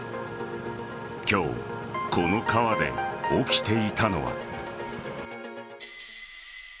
今日、この川で起きていたのは。